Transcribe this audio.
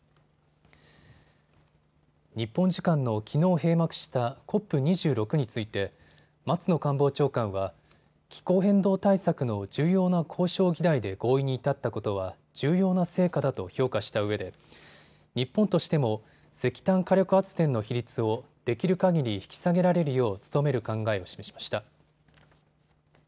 日本時間のきのう閉幕したＣＯＰ２６について松野官房長官は気候変動対策の重要な交渉議題で合意に至ったことは重要な成果だと評価したうえで日本としても石炭火力発電の比率をできるかぎり引き下げられるよう努める考えを示しました。